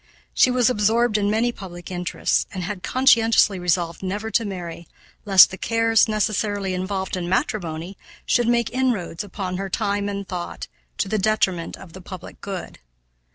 She was absorbed in many public interests and had conscientiously resolved never to marry, lest the cares necessarily involved in matrimony should make inroads upon her time and thought, to the detriment of the public good.